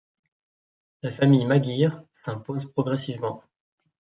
La famille Maguire s’impose progressivement.